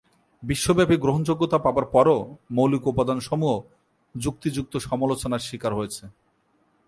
বিশ্বব্যাপী গ্রহণযোগ্যতা পাবার পরও "মৌলিক উপাদানসমূহ" যুক্তিযুক্ত সমালোচনার শিকার হয়েছে।